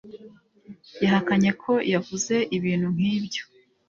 Yahakanye ko yavuze ibintu nk'ibyo.